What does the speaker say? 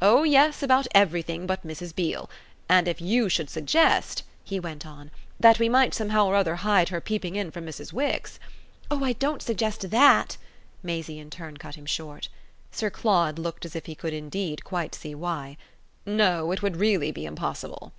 "Oh yes, about everything but Mrs. Beale. And if you should suggest," he went on, "that we might somehow or other hide her peeping in from Mrs. Wix " "Oh, I don't suggest THAT!" Maisie in turn cut him short. Sir Claude looked as if he could indeed quite see why. "No; it would really be impossible."